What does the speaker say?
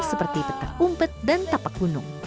seperti petang umpet dan tapak gunung